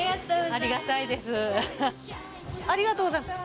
ありがとうございます。